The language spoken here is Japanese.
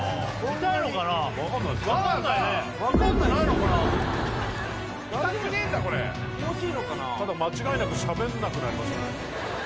ただ間違いなくしゃべんなくなりましたね